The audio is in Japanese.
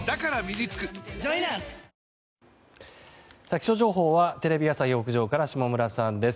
気象情報はテレビ朝日屋上から下村さんです。